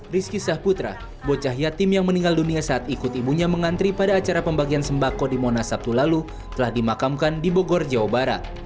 rizky sahputra bocah yatim yang meninggal dunia saat ikut ibunya mengantri pada acara pembagian sembako di monas sabtu lalu telah dimakamkan di bogor jawa barat